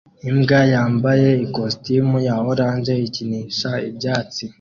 Imbwa yambaye ikositimu ya orange ikinisha ibyatsi